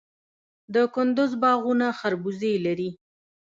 د کندز باغونه خربوزې لري.